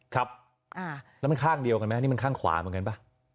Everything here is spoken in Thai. ครับแล้วมันข้างเดียวกันไหมนี่มันข้างขวาเหมือนกันป่ะ